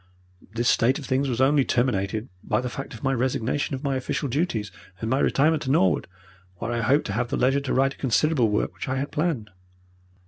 This state of things was only terminated by the fact of my resignation of my official duties and my retirement to Norwood, where I hoped to have the leisure to write a considerable work which I had planned.